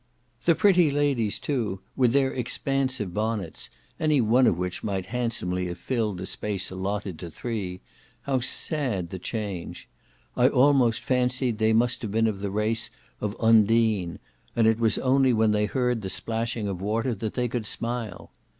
The pretty ladies too, with their expansive bonnets, any one of which might handsomely have filled the space allotted to three,—how sad the change! I almost fancied they must have been of the race of Undine, and that it was only when they heard the splashing of water that they could smile.